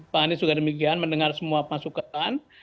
pak anies juga demikian mendengar semua masukan